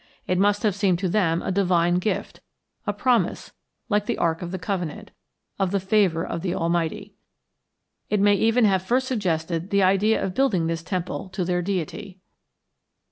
It must have seemed to them a divine gift, a promise, like the Ark of the Covenant, of the favor of the Almighty. It may even have first suggested the idea of building this temple to their deity.